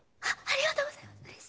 「ありがとうございます！」